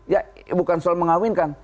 ya bukan soal mengawinkan